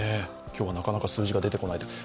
今日はなかなか数字が出てこないと。